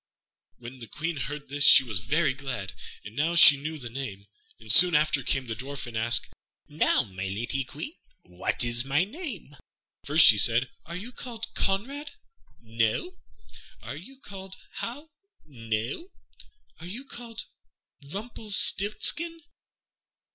'" When the Queen heard this she was very glad, for now she knew the name; and soon after came the Dwarf, and asked, "Now, my lady Queen, what is my name?" First she said, "Are you called Conrade?" "No." "Are you called Hal?" "No." "Are you called Rumpelstiltskin?"